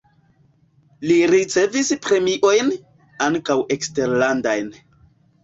Li ricevis premiojn (ankaŭ eksterlandajn).